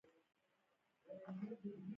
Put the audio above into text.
څلورمه برخه وسایل او د اندازه ګیری چارې دي.